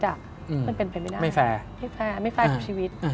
มันเป็นไปไม่ได้ไม่แฟร์ของชีวิตไม่แฟร์